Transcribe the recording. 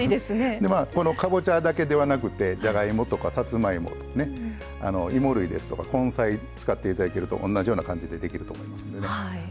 このかぼちゃだけではなくてじゃがいもとかさつまいもとかいも類ですとか根菜使っていただけると同じような感じでできると思いますんでね。